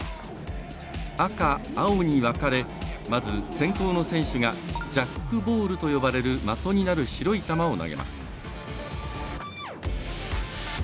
赤、青に分かれまず先攻の選手がジャックボールと呼ばれる的になる白い球を投げます。